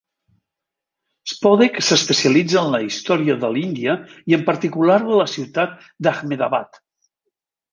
Spodek s'especialitza en la història de l'Índia, i en particular de la ciutat d'Ahmedabad.